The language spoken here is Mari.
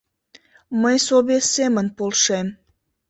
Мый собес семын полшем.